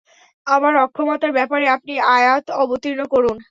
আমার অক্ষমতার ব্যাপারে আপনি আয়াত অবতীর্ণ করুন।